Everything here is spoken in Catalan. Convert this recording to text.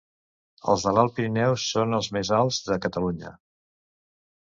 Els de l'Alt Pirineu són els més alts de Catalunya.